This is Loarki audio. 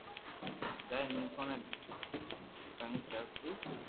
جائين مينکون ني تيگ ڪرتي